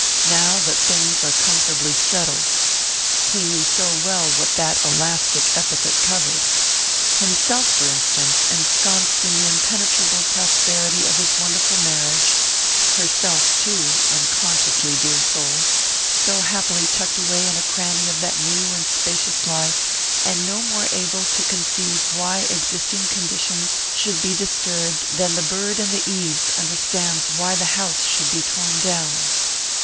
"Now that things are comfortably settled " he knew so well what that elastic epithet covered! Himself, for instance, ensconced in the impenetrable prosperity of his wonderful marriage; herself too (unconsciously, dear soul!), so happily tucked away in a cranny of that new and spacious life, and no more able to conceive why existing conditions should be disturbed than the bird in the eaves understands why the house should be torn down.